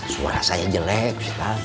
suara saya jelek